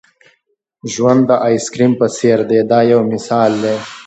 ژوند د آیس کریم په څېر دی دا یو مثال دی.